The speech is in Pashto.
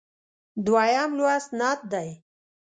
دویم لوست نعت دی.